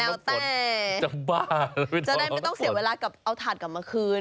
แล้วแต่จะบ้าจะได้ไม่ต้องเสียเวลากับเอาถาดกลับมาคืน